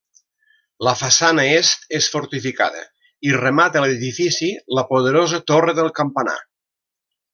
La façana est és fortificada i remata l'edifici la poderosa torre del campanar.